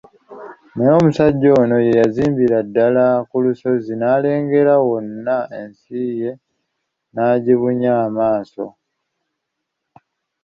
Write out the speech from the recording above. Naye omusajja ono ye azimbira ddala ku lusozi n'alengera wonna ensi ye n'agibunya amaaso.